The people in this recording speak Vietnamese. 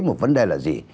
một vấn đề là gì